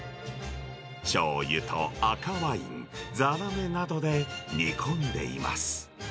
しょうゆと赤ワイン、ざらめなどで煮込んでいます。